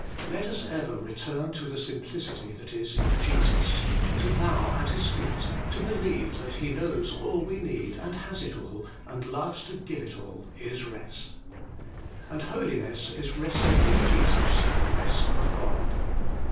Let us even return to the simplicity that is in Jesus. To bow at His feet, to believe that He knows all we need, and has it all, and loves to give it all, is rest. And holiness is resting in Jesus the rest of God.